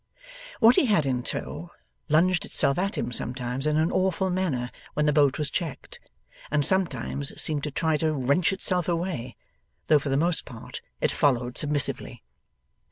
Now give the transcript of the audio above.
What he had in tow, lunged itself at him sometimes in an awful manner when the boat was checked, and sometimes seemed to try to wrench itself away, though for the most part it followed submissively.